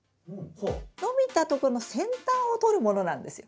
伸びたところの先端をとるものなんですよ。